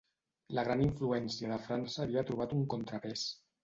La gran influència de França havia trobat un contrapès.